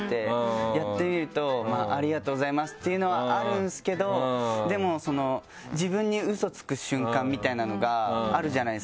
やってみるとありがとうございますっていうのはあるんですけどでもその自分にうそつく瞬間みたいなのがあるじゃないですか。